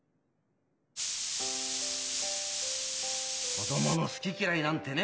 子どもの好き嫌いなんてね。